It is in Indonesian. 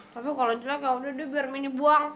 tapi kalau jelek yaudah deh biar minya buang